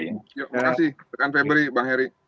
terima kasih terima kasih pak febri bang heri